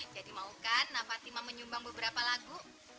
jadi maukan fatima menyumbang beberapa lagu